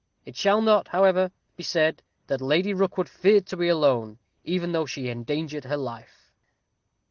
It shall not, however, be said that Lady Rookwood feared to be alone, even though she endangered her life."